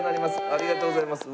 ありがとうございます。